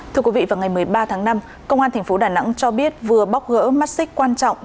thưa quý vị vào ngày một mươi ba tháng năm công an tp đà nẵng cho biết vừa bóc gỡ mắt xích quan trọng